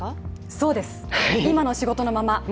そうです、今の仕事のまま。